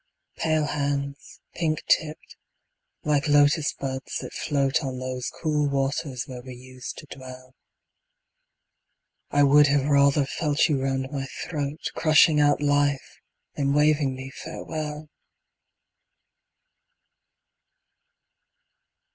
Pale hands, pink tipped, like Lotus buds that float On those cool waters where we used to dwell, I would have rather felt you round my throat, Crushing out life, than waving me farewell!